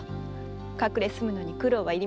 隠れ住むのに苦労はいりませんでした。